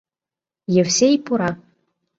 Евсей пура.